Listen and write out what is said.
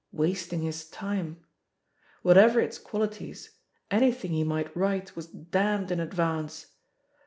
Wast ing his time" I Whatever its qualities, anything he might write was damned in advance.